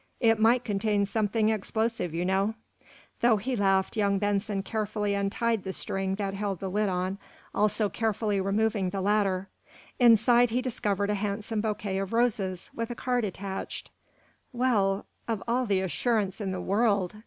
"It might contain something explosive, you know." Though he laughed, young Benson carefully untied the string that held the lid on, also carefully removing the latter. Inside he discovered a handsome bouquet of roses, with a card attached. "Well, of all the assurance in the world?"